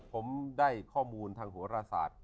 ผมได้ข้อมูลทางหัวราศาสตร์